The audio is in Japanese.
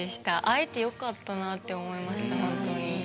会えてよかったなって思いましたほんとに。